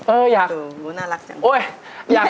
เอออยากโอ้ย